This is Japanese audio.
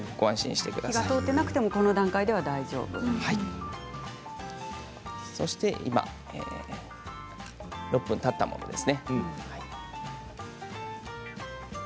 火が通っていなくてもこの段階では大丈夫と６分たったものです。